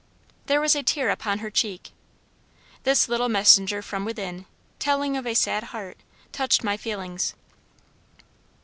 There was a tear upon her cheek. This little messenger from within, telling of a sad heart, touched my feelings.